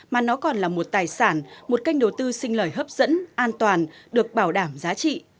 mà nó còn là một tài sản một kênh đầu tư xinh lời hấp dẫn an toàn được bảo đảm giá trị